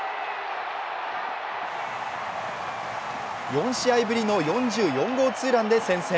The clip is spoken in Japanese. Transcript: ４試合ぶりの４４号ツーランで先制。